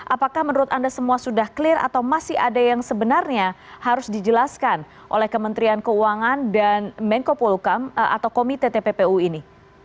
apakah menurut anda semua sudah clear atau masih ada yang sebenarnya harus dijelaskan oleh kementerian keuangan dan menko polukam atau komite tppu ini